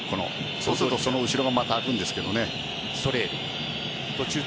そうすると後ろがまた空くんですけどね。